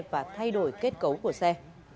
và thay đổi kết cấu của xe